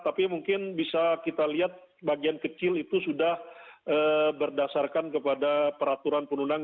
tapi mungkin bisa kita lihat bagian kecil itu sudah berdasarkan kepada peraturan penundang